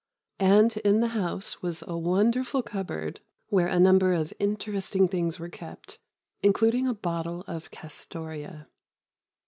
And in the house was a wonderful cupboard, where a number of interesting things were kept, including a bottle of Castoria.